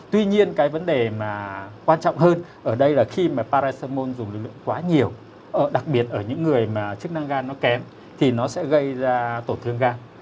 tuy nhiên cái vấn đề mà quan trọng hơn ở đây là khi mà parasamon dùng lực lượng quá nhiều đặc biệt ở những người mà chức năng gan nó kém thì nó sẽ gây ra tổn thương gan